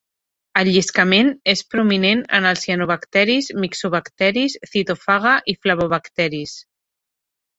El lliscament és prominent en els cianobacteris, mixobacteris, cytophaga i flavobacteris.